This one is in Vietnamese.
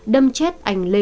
đâm chết anh lê đức